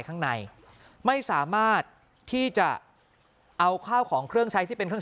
ข้างในไม่สามารถที่จะเอาข้าวของเครื่องใช้ที่เป็นเครื่อง